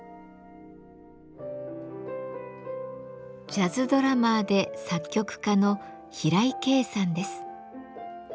ジャズドラマーで作曲家の平井景さんです。